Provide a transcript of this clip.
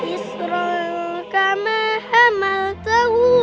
isran kama hamaltahu